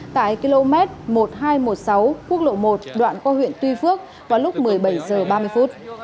tại km một nghìn hai trăm một mươi sáu quốc lộ một đoạn qua huyện tuy phước vào lúc một mươi bảy h ba mươi phút